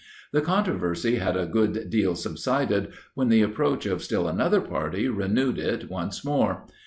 The controversy had a good deal subsided, when the approach of still another party renewed it once more.